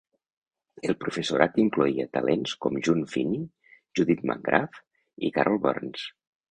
El professorat incloïa talents com June Finney, Judith McGrath i Carol Burns.